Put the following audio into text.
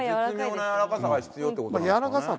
絶妙な柔らかさが必要って事なんですかね。